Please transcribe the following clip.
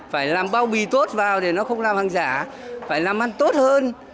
phải làm bao bì tốt vào để nó không làm hàng giả phải làm ăn tốt hơn